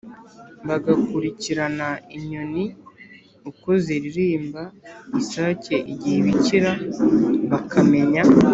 Bagakurikirana inyoni uko ziririmba, isake igihe ibikira, bakamenya